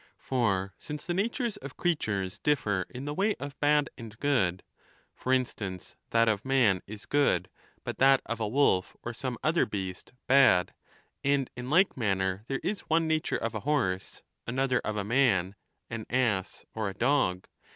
For since the natures of creatures differ in the way of bad and good, for instance that of man is good, but that of a wolf or some other beast bad, and in like 5 manner there is one nature of a horse, another of a man, an ass, or a dog.